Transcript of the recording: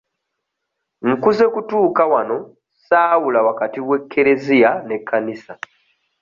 Nkuze kutuuka wano ssaawula wakati wa kkereziya n'ekkanisa.